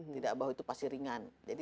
tidak bahwa itu pasti ringan jadi